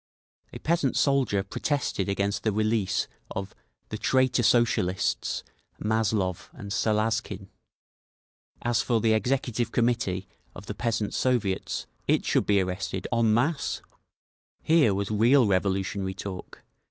A peasant soldier protested against the release of "the traitor Socialists, Mazlov and Salazkin"; as for the Executive Committee of the Peasants' Soviets, it should be arrested _en masse!_Here was real revolutionary talk….